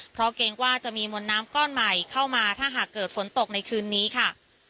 เพราะเกรงว่าจะมีมวลน้ำก้อนใหม่เข้ามาถ้าหากเกิดฝนตกในคืนนี้ค่ะ